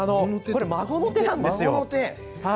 孫の手なんですよ。